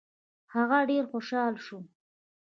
هغه ډېر خوشاله شو.